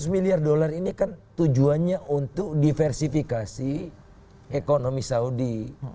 seratus miliar usd ini kan tujuannya untuk diversifikasi ekonomi saudi